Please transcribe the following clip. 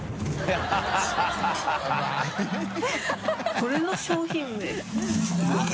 これの商品名って？